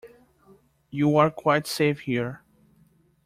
You are quite safe here.